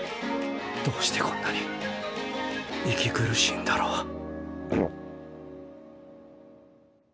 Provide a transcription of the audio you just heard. どうしてこんなに息苦しいんだろう